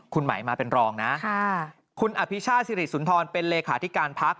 คุณไหมมาเป็นรองนะคุณอภิชาสิริสุนทรเป็นเลขาธิการพัก